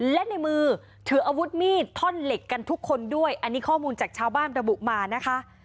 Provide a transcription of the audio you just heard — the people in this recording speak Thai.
และในมือถืออาวุธมีดท่อนเหล็กกันทุกคนด้วยอันนี้ข้อมูลจากชาวบ้านระบุมานะคะ